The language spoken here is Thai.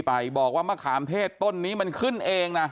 สวัสดีคุณผู้ชายสวัสดีคุณผู้ชาย